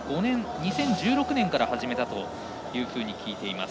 ２０１６年から始めたと聞いています。